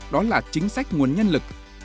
đó là chính sách nguồn nhân lực